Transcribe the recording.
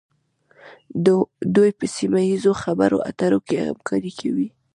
دوی په سیمه ایزو خبرو اترو کې همکاري کوي